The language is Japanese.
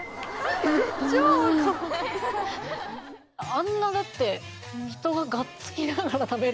あんなだって。